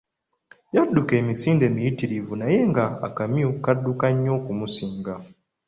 Yadduka emisinde miyitirivu naye ng'akamyu kadduka nnyo okumusinga.